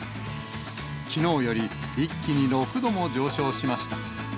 きのうより一気に６度も上昇しました。